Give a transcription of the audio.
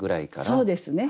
そうですね。